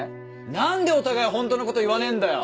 何でお互い本当のこと言わねえんだよ！